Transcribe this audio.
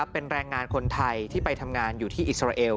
เป็นแรงงานคนไทยที่ไปทำงานอยู่ที่อิสราเอล